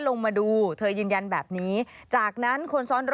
มันเกิดเหตุเป็นเหตุที่บ้านกลัว